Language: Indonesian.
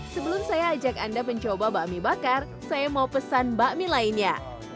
sebelum saya ajak anda mencoba bakmi bakar saya mau pesan bakmi lainnya